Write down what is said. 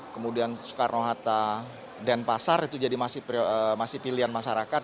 kemudian soekarno hatta denpasar itu jadi masih pilihan masyarakat